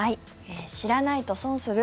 知らないと損する？